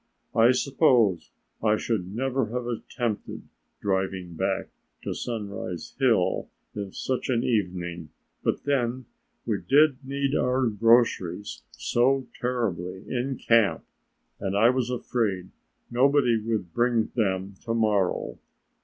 I suppose I should never have attempted driving back to Sunrise Hill on such an evening, but then we did need our groceries so terribly in camp and I was afraid nobody would bring them to morrow.